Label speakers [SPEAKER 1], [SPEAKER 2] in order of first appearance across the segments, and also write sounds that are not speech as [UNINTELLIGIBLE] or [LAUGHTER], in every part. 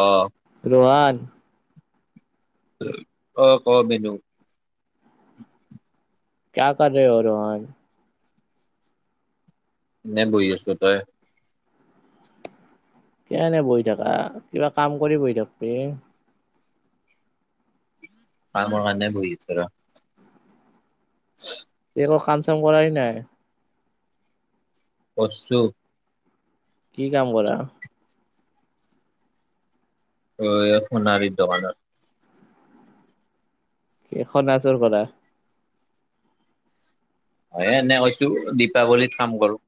[SPEAKER 1] অ'
[SPEAKER 2] ৰোহান।
[SPEAKER 1] অ ক মেনু [UNINTELLIGIBLE]
[SPEAKER 2] ক কৰ ৰোহান [UNINTELLIGIBLE]
[SPEAKER 1] নাই বহি আছোঁ তই।
[SPEAKER 2] কি এনে বহি থাকা কিবা কাম কৰি বহি থাকিবি।
[SPEAKER 1] কাম নাই কাৰণে বহি আছোঁ ৰস। উ [UNINTELLIGIBLE]
[SPEAKER 2] এই একো কাম চাম কৰই নাই।
[SPEAKER 1] কৰচু।
[SPEAKER 2] কি কাম কৰা।
[SPEAKER 1] অ' এই সোনাৰী দোকানত।
[SPEAKER 2] এই সনাাচৰ কলা।
[SPEAKER 1] হয় এনে কৈছো দীপাৱলীত কাম কৰোঁ।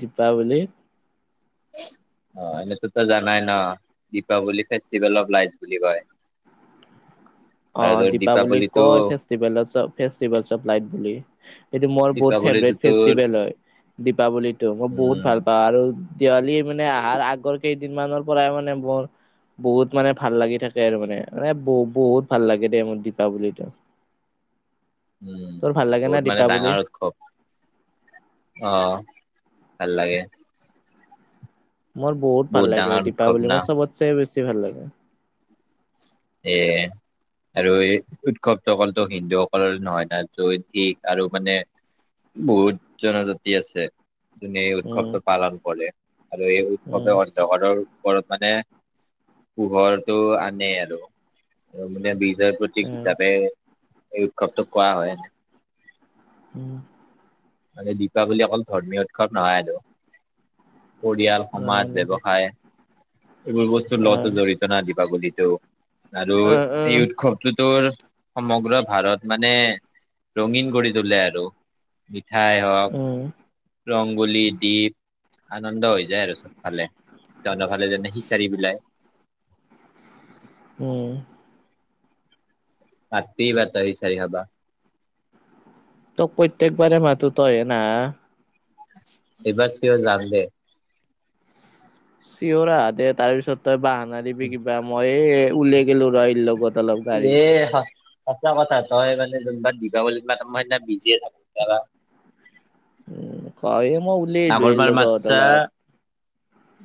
[SPEAKER 2] দীপাৱলী।
[SPEAKER 1] অ' এনেতো তই জানাই ন দীপাৱলী ফেষ্টিভেল অ লাইভ বুলি কয়। [UNINTELLIGIBLE] আৰু
[SPEAKER 2] অ'
[SPEAKER 1] তোৰ
[SPEAKER 2] দীপাৱলী
[SPEAKER 1] দীপাৱলীটো
[SPEAKER 2] কয় ফেেলে ল [UNINTELLIGIBLE] বুলি এইটো মোৰ বহুত
[SPEAKER 1] দীপাৱলীটো
[SPEAKER 2] ফেভৰেট
[SPEAKER 1] তোৰ
[SPEAKER 2] ফেষ্টিভেল হয়। দীপাৱলীতো মই বহুত
[SPEAKER 1] উম
[SPEAKER 2] ভাল পাওঁ। আৰু দিৱালী মানে আহাৰ আগৰ- কেইদিনমানৰ পৰাই মানে মোৰ বহুত মানে ভাল লাগি থাকে আৰু। মানে মানে ব বহুত- ভাল লাগে দে মোৰ দীপাৱলটো।
[SPEAKER 1] উম'
[SPEAKER 2] লাগে না
[SPEAKER 1] বহুত মানে
[SPEAKER 2] দীপাৱলী
[SPEAKER 1] ডাঙৰ উৎসৱ। অ' ভাল লাগে।
[SPEAKER 2] মোৰ বহুত ভাল লাগে
[SPEAKER 1] ডাঙৰ উৎসৱ
[SPEAKER 2] দীপাৱলী।
[SPEAKER 1] না
[SPEAKER 2] মোৰ চবতচে বেছি ভাল লাগে।
[SPEAKER 1] এ আৰু এই উৎসৱটো অকলে হিন্দুসকলৰ নহয় না য' শিখ আৰু মানে বহুত জনজাতি আছে এই
[SPEAKER 2] উম
[SPEAKER 1] উৎসৱটো পালন কৰে আৰু এই
[SPEAKER 2] উম
[SPEAKER 1] উৎসৱে অ [UNINTELLIGIBLE] ওপৰত মানে পোহৰটো আনে আৰু আৰু মানে বীজৰ প্ৰতীক
[SPEAKER 2] উম
[SPEAKER 1] হিচাপে এই উৎসৱটো কোৱা হয়নেক
[SPEAKER 2] উম
[SPEAKER 1] মানে দীপাৱলী অকল ধৰ্মীয় উৎসৱ নহয় আৰু পৰিয়াল
[SPEAKER 2] নহয়
[SPEAKER 1] সমাজ
[SPEAKER 2] নহয়
[SPEAKER 1] ব্যৱসায় এইবোৰ বস্তুৰ লগতে
[SPEAKER 2] আহ
[SPEAKER 1] জড়িত জানা দীপাৱলীটো আৰু
[SPEAKER 2] আহ
[SPEAKER 1] এই
[SPEAKER 2] আহ
[SPEAKER 1] উৎসৱটো তোৰ সমগ্ৰ ভাৰত মানে, ৰঙীন কৰি তোলে আৰু। মিঠাই হওক,
[SPEAKER 2] উম
[SPEAKER 1] ৰংগোলী দীপ- আনন্দ হৈ যায় আৰু চবফালে। তহঁতৰফালেটো দেখিছাই এইবিলাক।
[SPEAKER 2] উম
[SPEAKER 1] [UNINTELLIGIBLE]
[SPEAKER 2] তোক প্ৰত্যেকবাৰে মাতো তইয়ে নাহা?
[SPEAKER 1] এইবাৰ চিয়ৰ যাম দে।
[SPEAKER 2] চিয়ৰ আহা দে, তাৰপিছত তই বাহানা দিবি কিবা মই উলাই গে'লো ল'ৰাই লগত অলপ
[SPEAKER 1] এ
[SPEAKER 2] গাড়ীত।
[SPEAKER 1] সঁচা কথা। তই মানে যোনবাৰ দিপাৱলীত মাতা মইসেইদিনা বিজিয়ে থাকো। যোৱাবা
[SPEAKER 2] উম ক' এই মই ওলাই আহিল এই
[SPEAKER 1] আগৰবাৰ
[SPEAKER 2] লগত অলপ।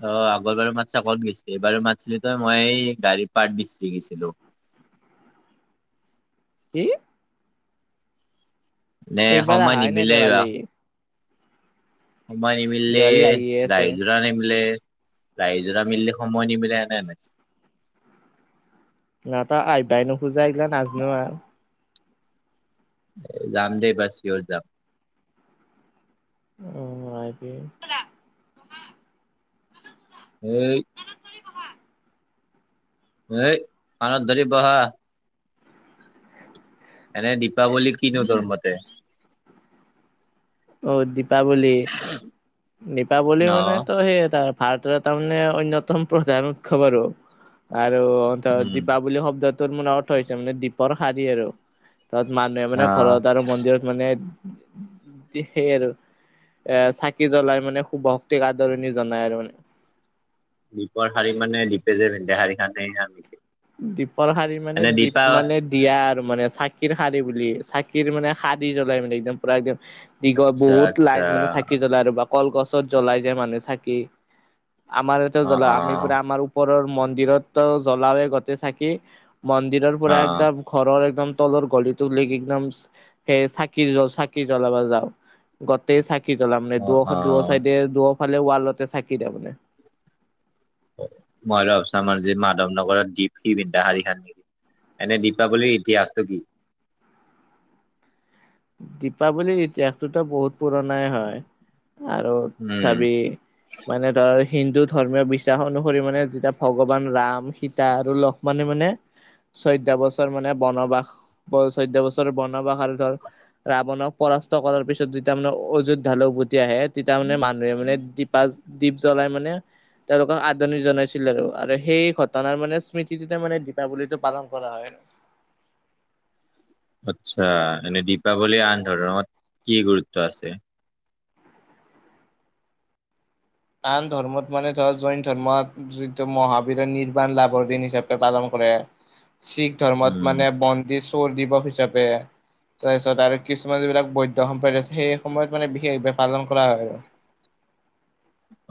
[SPEAKER 1] অঁ, আগৰ বাৰু মাতছা ক'ত গৈছিলি, এইবাৰো মাতছিলি তই মই এই গাড়ীৰ পাৰ্ট বিচাৰি গৈছিলোঁ।
[SPEAKER 2] কি?
[SPEAKER 1] নে
[SPEAKER 2] এইবাৰ
[SPEAKER 1] সময়
[SPEAKER 2] আহাই নাই
[SPEAKER 1] নিমিলে
[SPEAKER 2] দেৱালী
[SPEAKER 1] বাৰু। সময় নিমিলিলে
[SPEAKER 2] দেৱালী আহিয়ে আছে
[SPEAKER 1] ৰাইজ ৰা নিমিলে, ৰাইজৰা মিলিলে সময় নিমিলে এনে হৈ আছে।
[SPEAKER 2] না তই আহিবই নোখোজা এইগিলা নাজনো আৰু।
[SPEAKER 1] যাম দেই এইবাৰ চিয়ৰ যাম।
[SPEAKER 2] উম, আহিবি।
[SPEAKER 1] এই
[SPEAKER 2] ধৰি বহা।
[SPEAKER 1] এই, কাণত ধৰি বহা। এনে দীপাৱলী কিনো তোৰ মতে?
[SPEAKER 2] অ দীপাৱলী।
[SPEAKER 1] ন
[SPEAKER 2] দীপাৱলী মানে তোৰ সেই তাৰ ভাৰতৰ এটা মানে অন্যতম প্ৰধান উৎসৱ আৰু। আৰু সিহঁতৰ
[SPEAKER 1] উম
[SPEAKER 2] দীপাৱলীৰ শব্দটোৰ মানে অৰ্থ হৈছে মানে দীপৰ শাৰী আৰু। তাত মানুহে মানে
[SPEAKER 1] অ
[SPEAKER 2] ঘৰত আৰু মন্দিৰত মানে টি সেইয়ে আৰু এ চাকি জ্বলাই মানে শুভ শক্তিক আদৰণি জনাই আৰু মানে।
[SPEAKER 1] দীপৰ শাৰী মানে [UNINTELLIGIBLE]
[SPEAKER 2] দীপৰ শাৰী মানে
[SPEAKER 1] এনে
[SPEAKER 2] দীপ
[SPEAKER 1] দীপা
[SPEAKER 2] মানে দিয়া আৰু মানে চাকিৰ শাৰী বুলি। চাকিৰ মানে শাৰি জ্বলাই মানে একদম পুৰা একদম দীঘ
[SPEAKER 1] আচ্ছা
[SPEAKER 2] বহুত
[SPEAKER 1] আচ্ছা
[SPEAKER 2] লাইন মানে চাকি জ্বলাই। ৰ'বা কলগছত জ্বলাই যে মানুহ চাকি আমাৰোটো
[SPEAKER 1] অ
[SPEAKER 2] জ্বলাও।
[SPEAKER 1] অ
[SPEAKER 2] আমি পুৰা আমাৰ ওপৰৰ মন্দিৰতটো জ্বলাওয়ে গোতেই চাকি। মন্দিৰৰ
[SPEAKER 1] অ
[SPEAKER 2] পৰা একদম ঘৰৰ একদম তলৰ গলিটোলৈকে একদম সেই চাকি জ চাকি জ্বলাব যাওঁ। গোটেই চাকি জ্বলাম মানে
[SPEAKER 1] অ অ
[SPEAKER 2] দূৰহ্ দূৰ চাইডে দূৰফালে ৱালতে চাকি তাৰমানে।
[SPEAKER 1] মই লগচাম আৰু যে মাধৱনগৰত দীপ সি পিন্ধা শাৰী খন নেকি? এনে দীপাৱলীৰ ইতিহাসটো কি?
[SPEAKER 2] দীপাৱলীৰ ইতিহাসটোতো বহুত পুৰণাই হয় আৰু
[SPEAKER 1] উম
[SPEAKER 2] চাবি মানে ধৰ হিন্দু ধৰ্মীয় বিশ্বাস অনুসৰি মানে যেতিয়া ভগৱান ৰাম, সীতা আৰু লক্ষ্মণে মানে চৈধ্য বছৰ মানে বনবাস চৈধ্য বছৰ বনবাস আৰু ধৰ ৰাৱণক পৰাস্ত কৰাৰ পিছত যেতিয়া মানে অযোধ্যালৈ গৈ তেতিয়াহে তেতিয়া মানে মানুহে মানে দীপা দীপ্ জ্বলাই মানে তেওঁলোকক আদৰণি জনাইছিল আৰু আৰু সেই ঘটনাৰ মানে স্মৃতিটোতে মানে দীপাৱলীটো পালন কৰা হয়
[SPEAKER 1] আচ্ছা এনে দীপাৱলীৰ আন ধৰণত কি গুৰুত্ব আছে
[SPEAKER 2] আন ধৰ্মত মানে ধৰা জৈন ধৰ্মত যিটো মহাবীৰত নিৰ্বাণ লাভৰ দিন হিচাপে পালন কৰে শিখ ধৰ্মত
[SPEAKER 1] উম
[SPEAKER 2] মানে বন্দি চোৰ দিৱস হিচাপে তাৰপিছত আৰু কিছুমান যিবিলাক বৈদয় সম্প্ৰদ আছে সেই সময়ত মানে বিশেষভাৱে পালন কৰা হয় আৰু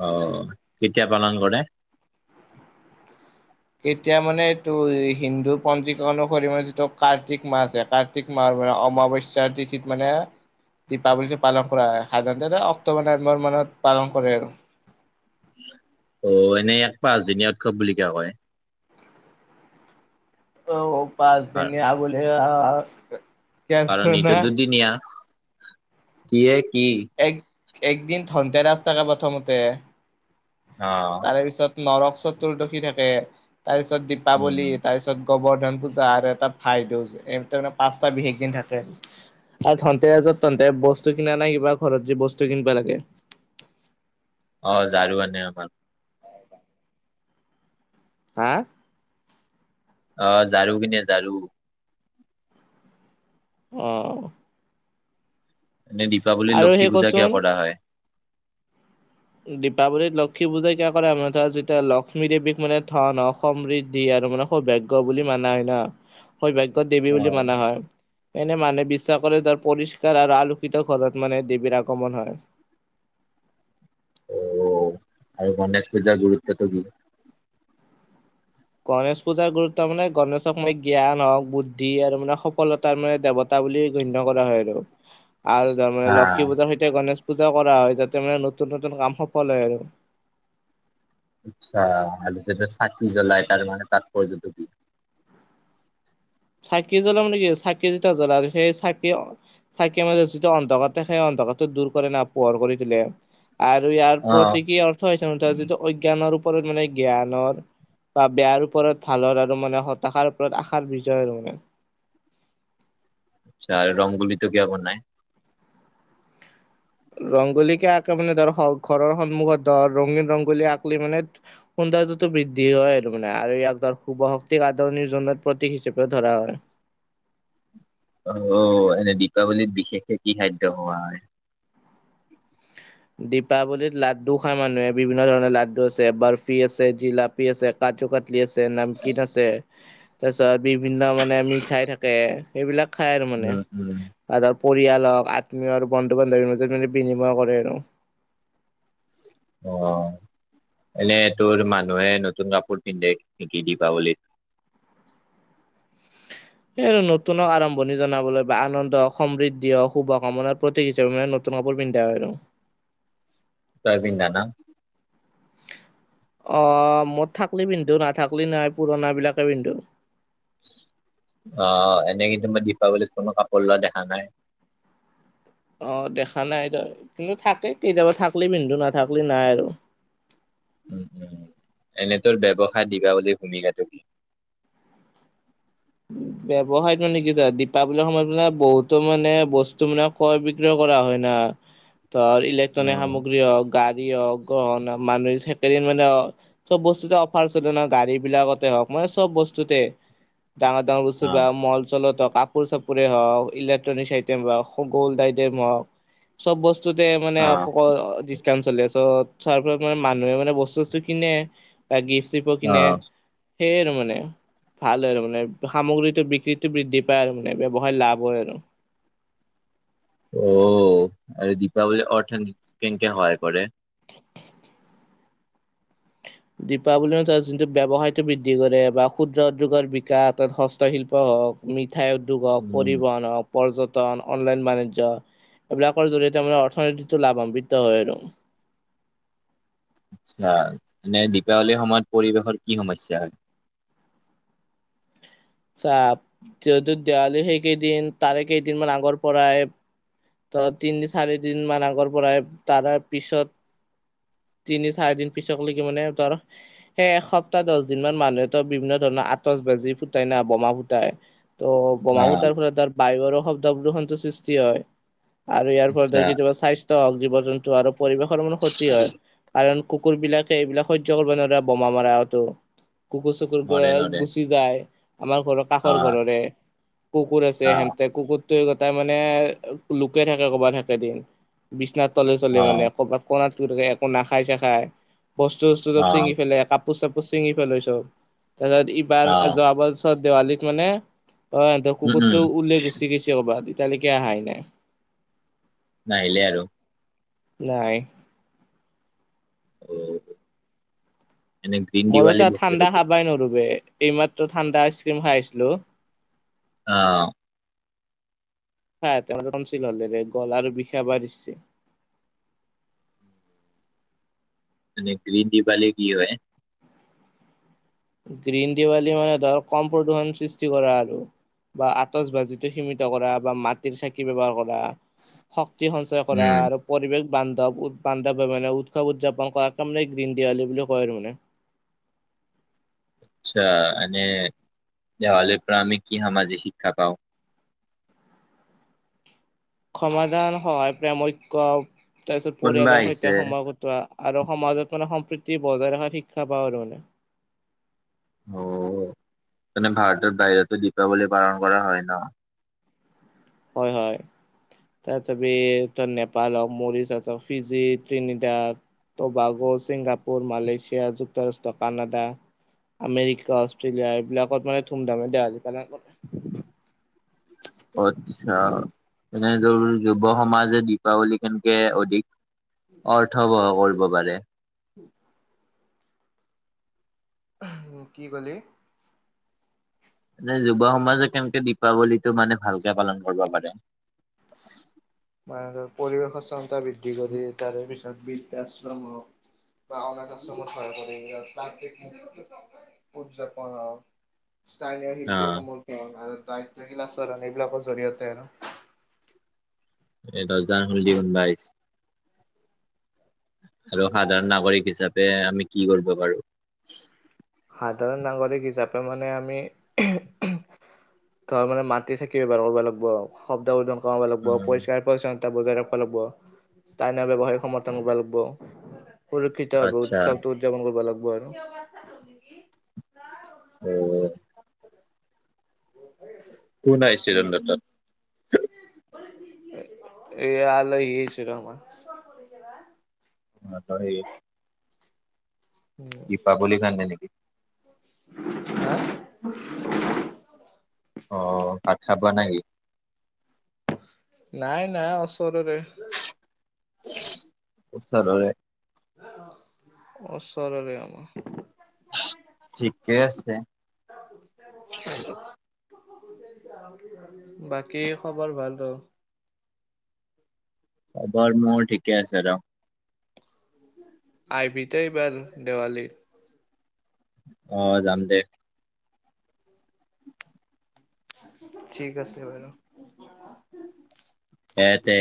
[SPEAKER 1] অঁ কেতিয়া পালন কৰে
[SPEAKER 2] কেতিয়া মানে তটো হিন্দু পঞ্জীখন ৰি মানে যিটো কাৰ্তিক মাহ আছে কাৰ্তিক মাহ মানে অমাৱশ্যাৰ তিথিত মানে দীপাৱলীটো পালন কৰা হয় সাধাৰণতে অক্টোবৰ নৱেম্বৰ মানত পালন কৰে আৰু
[SPEAKER 1] অ এনেই এক পাঁচদিনীয়া উৎসৱ বুলি কিয় কয়
[SPEAKER 2] অ পাঁচ দিন
[SPEAKER 1] কাৰ-
[SPEAKER 2] বলে
[SPEAKER 1] কাৰণ এইটো দুদিনীয়া দিয়ে কি
[SPEAKER 2] এক একদিন ধনতে ৰাস্তাককা প্ৰথমতে
[SPEAKER 1] অ
[SPEAKER 2] তাৰ পিছত নৰক চতুৰ্দশী থাকে তাৰ পিছত
[SPEAKER 1] উম
[SPEAKER 2] দীপাৱলী তাৰপিছত গোবৰ্ধন পূজা আৰু এটা ভাইদেউজাৰানে পাঁচটা বিশেষ দিন থাকে আৰু তনটে আজত তন্তে বস্তু কিনা নাই কিবা ঘৰত যি বস্তু কিনিবা লাগে
[SPEAKER 1] অ জাৰু আনে আমাৰ
[SPEAKER 2] হা
[SPEAKER 1] অ জঝাৰু কিনে জঝাৰু
[SPEAKER 2] অ
[SPEAKER 1] এনে দীপাৱলীৰ
[SPEAKER 2] আৰু
[SPEAKER 1] লক্ষী
[SPEAKER 2] সেই
[SPEAKER 1] পূজা কিয়
[SPEAKER 2] কচোন
[SPEAKER 1] কৰা হয়
[SPEAKER 2] দীপাৱলীত লক্ষ্মী পূজাই কিয় কৰে মানাৰ ধৰা যেতিয়া লক্ষ্মী দেৱক মানে ধনখ সমৃদ্ধি আৰু মানে সৌভাগয় বুলি মানা হয় ন সৌভাগয় দেৱী বুলি মানা হয় এনে মানুহ বিশ্বাস কৰে তৰ পৰিষ্কাৰ আৰু আলোকিত ঘৰত মানে দেৱীৰ আগমন হয়
[SPEAKER 1] অ আৰু গণেশ পূজাৰ গুৰুত্বটো কি
[SPEAKER 2] গণেশ পূজাৰ গুৰুত্ব মানে গণেশক মানে জ্ঞান হওক বুদ্ধি আৰু মানে সফলতাৰ মানে দেৱতা তটা বুলি গণ্য কৰা হয় আৰু
[SPEAKER 1] [INAUDIBLE]
[SPEAKER 2] আৰু তাৰমানে
[SPEAKER 1] হা
[SPEAKER 2] লক্ষী পূজাৰ সৈতে গণেশ পূজাও কৰা হয় যাতে মানে নতুন নতুন কাম সফল হয় আৰু
[SPEAKER 1] আচ্ছা আৰু চাকি জ্বলাই তাৰ মানে তাৎপৰ্যটো কি
[SPEAKER 2] চাকি জ্বলা মানে কি চাকি যেতি জ্বল আৰু সেই চাকি চাইকেল মাজ যিটো অন্ধকাৰে সেই অন্ধকাৰটো দূৰ কৰে ন পোহৰ কৰি দিলে আৰু ইয়াৰ প্ৰতিক অৰ্থ হৈছে তাৰ যিটো অজ্ঞানৰ ওপৰত মানে জ্ঞানৰ বা বেয়াৰ ওপৰত ভালৰ আৰু মানে হতাশাৰ ওপৰত আশাৰ বিজয় আৰু মানে
[SPEAKER 1] আছ আৰু ৰং গুলিতটো কিন নাই
[SPEAKER 2] ৰংগোলীিকে আঁকে মানে ধৰ ঘৰৰ সন্মুখত ধৰ ৰঙীন ৰংগলী আঁককলি মানে সৌন্দৰ্যটো বৃদ্ধি হয় আৰু মানে আৰু ইয়াক ধৰ শুভ শক্তিক আদৰণি জন প্ৰতীক হিচাপে ধৰা হয়
[SPEAKER 1] অ এনে দীপাৱলীত বিশেষকে কি খাদ্য হোৱা হয়
[SPEAKER 2] দীপাৱলীত লাড্ু খাই মানুহে বিভিন্ন ধৰণৰ লাড্ডু আছে বাৰফি আছে জিলাপ আছে কু কাটলি আছে নামকিন আছে তাৰ পিছত বিভিন্ন মানে মিঠাই থাক তাকে সেইবিলাক খাই আৰু মানে
[SPEAKER 1] উম, উম।
[SPEAKER 2] আৰু ধৰ পৰিয়াল হওক আত্মীয় আৰু বন্ধু বান্ধৱীৰ মাজত মানে বিনিময় কৰে আৰু
[SPEAKER 1] অ এনেই তোৰ মানুহে নতুন কাপোৰ পিন্ধে নিকি দিবা বুলিলিত
[SPEAKER 2] সেই নতুনক আৰম্ভণি জনাবলৈ বা আনন্দ সমৃদ্ধি শুভ কামনাৰ প্ৰতীক হিচাপে মানে। নতুন কাপোৰপিন্ধা আৰু।
[SPEAKER 1] তইপিন্দা না [INAUDIBLE]
[SPEAKER 2] অ' মই থাকলি পিন্ধো নাথাকলি নাই পুৰণ বিলাকে পিন্ধো।
[SPEAKER 1] অ' এনে কিন্তু দীপাৱলীত কোনো কাপোৰ লোৱা দেখা নাই।
[SPEAKER 2] অ' দেখা নাই তয় কিন্তু থাকে কেতিয়াবা থাকলি পিন্ধু নাথাকলি নাই আৰু।
[SPEAKER 1] উম উম, এনে তোৰ ব্যৱসায় দীপাৱলীৰ ভূমিকাটো কি?
[SPEAKER 2] ব্যয়ৱসায় মানে কিপ। বাবলু সময়ত মানে বহুতো মানে বস্তু মানে ক্ৰয় বিক্ৰয় কৰা হয় না। ত' ইলেক্ট্ৰনিক
[SPEAKER 1] অ'
[SPEAKER 2] সামগ্ৰী হওক, গাড়ী হওক গহনা মানুহে সেইকেইদিন মানে। চব বস্তুতে অফাৰ চলে ন, গাড়ী বিলাকতে হওক মানে চব বস্তুতে। ডাঙৰ ডাঙৰ বস্তু বা
[SPEAKER 1] অ'
[SPEAKER 2] মল- চলত কাপ। কাপোৰ চাপোৰে হওক ইলেক্ট্ৰনিক আইটেম হওক গ'ল্ড আইটেম হওক। চব বস্তুতে মানে আকৌ
[SPEAKER 1] অ'
[SPEAKER 2] ডি [UNINTELLIGIBLE] চলি আছ চৰত মানে মানুহে মানে বস্তু বস্তু কিনে বা গিফ্ট চিফ কিনে
[SPEAKER 1] অ'।
[SPEAKER 2] [UNINTELLIGIBLE] সেই আৰু মানে ভাল আৰু মানে। সামগ্ৰীতো বিক্ৰী বৃদ্ধি পায় আৰু মানে ব্যয়ৱসায় লাভ হয় আৰু।
[SPEAKER 1] অ' আৰু দীপাৱলী অৰ্থনীতি কেনেকে সহায় কৰে।
[SPEAKER 2] দীপাৱলীৰ যোনটো ব্যৱসায়তটো বৃদ্ধি কৰে বা ক্ষুদ্ৰ উদ্যোগৰ বিকাশ তাত হস্তশিল্প হওক। মিঠাই উদ্যোগ হওক
[SPEAKER 1] উম,
[SPEAKER 2] পৰিবহণ হওক। পৰ্যটন অনলাইন বাণিজ্য এইবিলাকৰ জৰিয়তে মানে অৰ্থনীতিটো লাভান্বিত হয় আৰু।
[SPEAKER 1] আচ্ছা মানে দীপাৱলীৰ সময়ত পৰিৱেশৰ কি সমস্যা হয়?
[SPEAKER 2] চাহ যিহেতু দেৱালীৰ সেই কেইদিন তাৰে কেইদিন মান আগৰ পৰাই। ত' তিনি- চাৰিদিন মান আগৰ পৰাই তাৰ পিছত। তিনি চাৰিদিন পিছক লকে মানে তৰ। সেই এসপ্তাহ দহ দিন মান মানুহেতো বিভিন্ন ধৰণৰ আতচ বাজি ফু। ফুটাই না বোমা ফুতাই ত' বোমা
[SPEAKER 1] অ'
[SPEAKER 2] ফুতাৰ ফ তাৰ। বায়ুৰো শব্দ গ্ৰহণটোো সৃষ্টি হয় আৰু ইয়াৰ ফল
[SPEAKER 1] আচ্ছা
[SPEAKER 2] ধৰ কেতিয়াবা স্বাস্থ। ওক, জীৱ - জন্তু আৰু পৰিৱেশৰ মানে ক্ষতি হয় কাৰণ। কুকুৰ বিলাকে এইবিলাক কৰিব নোৱাৰা বোমা মাৰতো কুকুৰ চুকুৰ।
[SPEAKER 1] নৰে নৰে
[SPEAKER 2] পি যায়, আমাৰ ঘৰৰ কাষৰ
[SPEAKER 1] অ'
[SPEAKER 2] ঘৰৰে কুকুৰ আছে
[SPEAKER 1] অ'
[SPEAKER 2] সিহতে কুকুৰ। গটাই মানে লোকে থাকে কবাত থাকে দিন বিছনাত তলে চলে মানে
[SPEAKER 1] অ'
[SPEAKER 2] কবাত। কনাত লুকাই একো নাখাই চখাই, বস্তু - চস্তু চব
[SPEAKER 1] অ'
[SPEAKER 2] চিঙি পেলাই। কাপোৰ চাপোৰ চিঙি পেলাই চব তাৰ পিছত এইবাৰ
[SPEAKER 1] অ'
[SPEAKER 2] যোৱ পাৰিছত দেৱালীত মানে অ'
[SPEAKER 1] উম, উম
[SPEAKER 2] কুকুৰটো ওলাই গুচি গৈছে ক'ৰবাত এতিালৈকে অহাই নাই।
[SPEAKER 1] নাহিলে আৰু।
[SPEAKER 2] নাই।
[SPEAKER 1] হয়।
[SPEAKER 2] মই অবশ্যে
[SPEAKER 1] বস্তুটো
[SPEAKER 2] ঠাণ্ডা
[SPEAKER 1] কি?
[SPEAKER 2] খাবাই নোৱাৰো'বে এইমাত্ৰ ঠাণ্ডা আইচক্ৰীম খাইছিলো।
[SPEAKER 1] অঁ।
[SPEAKER 2] হা তেচিল হলেৰে গল আৰু বিষা বা দিছে [UNINTELLIGIBLE]
[SPEAKER 1] গ্ৰীন দিপালি কি হয়।
[SPEAKER 2] গ্ৰীণ দিৱালী মানে ধৰক কম প্ৰদূষণ সৃষ্টি কৰা আৰু। বা আটচ ভাজিটো সীমিত কৰা বা মাটিৰ চাকি ব্যৱহাৰ কৰা। শক্তি সঞ্চয় কৰা
[SPEAKER 1] উম,
[SPEAKER 2] আৰু। পৰিৱেশ বান্ধৱ উৎ বান্ধৱে মানে উৎসৱ উদযাপন কৰাকে মানে গ্ৰীণ দিৱালী বুলি কয় আৰু মানে।
[SPEAKER 1] আচ্ছা এনে দেৱালীৰ পৰা আমি কি সামাজিক শিক্ষা পাওঁ?
[SPEAKER 2] সমাধান, সহায়, প্ৰেম, ঐক্য তাৰপিছত
[SPEAKER 1] কোনোবা
[SPEAKER 2] পৰিয়ালৰ
[SPEAKER 1] আহিছে
[SPEAKER 2] সৈতে সময় ক- টোৱা আৰু সমাজত মানে সম্প্ৰীতি বজাই ৰখাত শিক্ষা পাওঁ আৰু মানে।
[SPEAKER 1] অ মানে ভাৰতৰ বাহিৰতো দীপাৱলী পালন কৰা হয় ন?
[SPEAKER 2] হয় হয় তাৰছপি ত নেপাল মৰিচ আছ Fiji Trinidad Tobago, Singapore, Malaysia, যুক্তৰাষ্ট্ৰ, কানাডা, আমেৰিকা, অষ্ট্ৰেলিয়া এইবিলাকত মানে ধুম ধামে দেৱালী পালন ক
[SPEAKER 1] অ আচ্ছা এনে ধৰ যুৱ সমাজে দীপাৱলী কেনেকে অধিক অৰ্থব কৰিব পাৰে
[SPEAKER 2] উম কি কলি
[SPEAKER 1] এ যুৱ সমাজে কেনেকে দীপাৱলীটো মানে ভালকে পালন কৰিব পাৰে
[SPEAKER 2] মানে ধৰ পৰিৱেশৰ চমতা বৃদ্ধি কৰি তাৰে পিছত বৃদ্ধাশ্ৰম হক বা অনাথ আশ্ৰমত সহায় কৰে ইয়াৰ [UNINTELLIGIBLE] উদযাপন হওক। স্থানীয়
[SPEAKER 1] অ
[SPEAKER 2] শিল্পীসমূহ [UNINTELLIGIBLE] আৰু দায়িত্বশীল আচৰণ এইবিলাকৰ জৰিয়তে আৰু
[SPEAKER 1] এটা যা [UNINTELLIGIBLE] আৰু সাধাৰণ নাগৰিক হিচাপে আমি কি কৰিব পাৰো।
[SPEAKER 2] সাধাৰণ নাগৰিক হিচাপে মানে আমি [UNINTELLIGIBLE] ধৰ মানে মাটি চাকি ব্যৱহাৰ কৰিব লাগিব শব্দ উৰ্জন কৰাব লাগিব
[SPEAKER 1] উম
[SPEAKER 2] পৰিষ্কাৰ পৰিচ্ছন টা বজাই ৰাখবা লাগিব স্থানীয় ব্যৱসায়িক সমৰ্থন কবা লাগব। সুৰক্ষিত
[SPEAKER 1] আচ্ছা
[SPEAKER 2] উৎসৱটো উদযাপন কৰিব লাগিব আৰু
[SPEAKER 1] অ কোন আহিছিল হেনত তাত
[SPEAKER 2] এয়া আলহি আহিছে আৰ আমা
[SPEAKER 1] সিহঁত সেই
[SPEAKER 2] উম
[SPEAKER 1] দীপাবলি কাৰনে নেকি
[SPEAKER 2] হা
[SPEAKER 1] অ [UNINTELLIGIBLE] বোৱা নাই নি
[SPEAKER 2] নাই নাই ওচৰৰে
[SPEAKER 1] ওচৰৰে
[SPEAKER 2] ওচৰৰে আমা
[SPEAKER 1] ঠিকে আছে।
[SPEAKER 2] বাকী খবৰ ভালতো
[SPEAKER 1] খবৰ মোৰ ঠিকে আছে আৰ।
[SPEAKER 2] আহ বিত এইবাৰ দেৱালীত
[SPEAKER 1] অ যাম দে
[SPEAKER 2] ঠিক আছে বাৰু
[SPEAKER 1] এতে